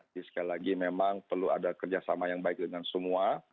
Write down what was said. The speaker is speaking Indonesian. jadi sekali lagi memang perlu ada kerjasama yang baik dengan semua